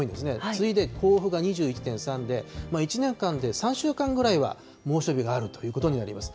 次いで甲府が２１．３で、１年間で３週間ぐらいは猛暑日があるということになります。